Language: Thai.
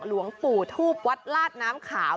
หลวงปู่ทูบวัดลาดน้ำขาว